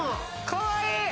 かわいい！